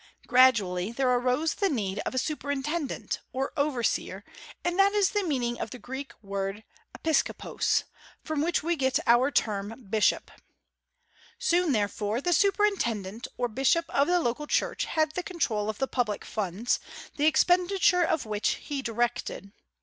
Gradually there arose the need of a superintendent, or overseer; and that is the meaning of the Greek word [Greek: episkopos], from which we get our term bishop. Soon, therefore, the superintendent or bishop of the local church had the control of the public funds, the expenditure of which he directed.